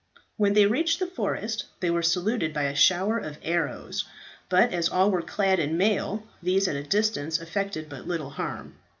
When they reached the forest, they were saluted by a shower of arrows; but as all were clad in mail, these at a distance effected but little harm.